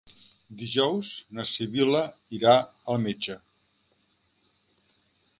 Dijous na Sibil·la irà al metge.